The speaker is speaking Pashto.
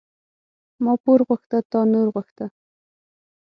ما پور غوښته تا نور غوښته.